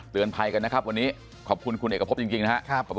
เตือนภัยกันนะครับขอบคุณคุณเอกพบจริงนะครับ